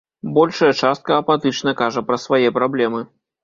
Большая частка апатычна кажа пра свае праблемы.